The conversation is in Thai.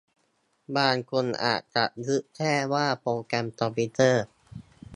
บางคนอาจจะนึกแค่ว่าโปรแกรมคอมพิวเตอร์